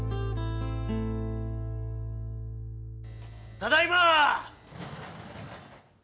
ただいま！